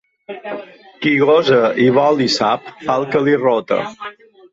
"Qui gosa i vol i sap fa el que li rota".